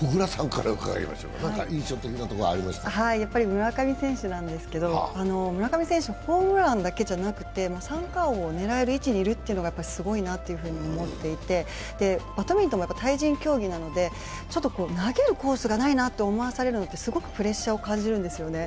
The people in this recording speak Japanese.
村上選手なんですけど、村上選手、ホームランだけじゃなくて三冠王を狙える位置にいるというのがすごいなと思っていてバドミントンも対人競技なので、ちょっと投げるコースがないなと思われるのはすごくプレッシャーなんですね。